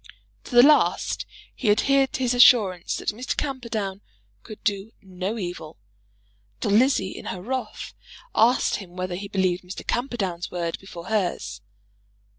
To the last, he adhered to his assurance that Mr. Camperdown could do no evil; till Lizzie, in her wrath, asked him whether he believed Mr. Camperdown's word before hers.